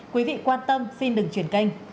quý vị quan tâm xin đừng chuyển kênh